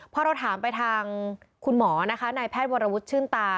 พอเราถามไปทางคุณหมอนะคะนายแพทย์วรวุฒิชื่นตา